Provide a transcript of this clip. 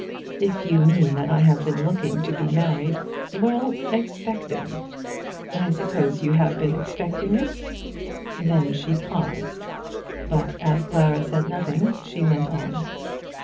"If you mean that I have been looking to be married " "Well; expecting. I suppose you have been expecting it." Then she paused; but as Clara said nothing, she went on.